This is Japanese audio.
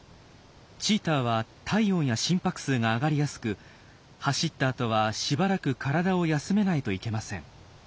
チーターは体温や心拍数が上がりやすく走った後はしばらく体を休めないといけません。